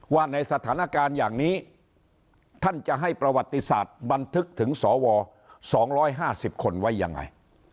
ว่าในสถานการณ์อย่างนี้ท่านจะให้ประวัติศาสตร์บันทึกถึงสว๒๕๐คนไว้ยังไง